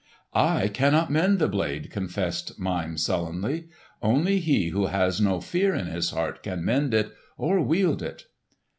"I cannot mend the blade," confessed Mime sullenly. "Only he who has no fear in his heart can mend it or wield it."